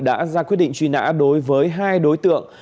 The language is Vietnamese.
đã ra quyết định truy nã đối với hai đối tượng